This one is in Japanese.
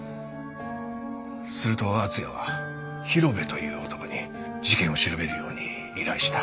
すると厚也は広辺という男に事件を調べるように依頼した。